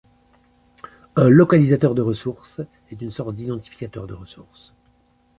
Un localisateur de ressources est une sorte d'identificateur de ressource.